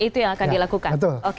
itu yang akan dilakukan